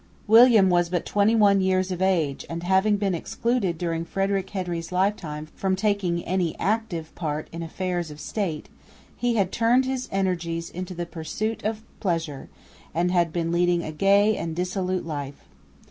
William was but twenty one years of age and, having been excluded during Frederick Henry's lifetime from taking any active part in affairs of state, he had turned his energies into the pursuit of pleasure, and had been leading a gay and dissolute life.